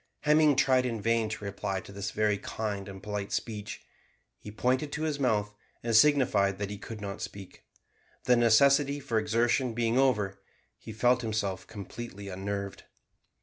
Hemming tried in vain to reply to this very kind and polite speech. He pointed to his mouth and signified that he could not speak. The necessity for exertion being over, he felt himself completely unnerved.